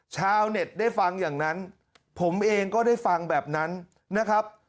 ชาวเน็ตได้ฟังอย่างนั้นผมเองก็ได้ฟังแบบนั้นนะครับ